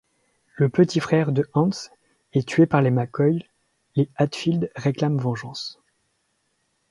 Le petit frère de Anse est tué par les McCoy, les Hatfield réclament vengeance.